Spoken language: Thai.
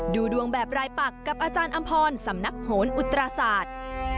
ดูดวงแบบรายปักกับอาจารย์อำพรสำนักโหนอุตราศาสตร์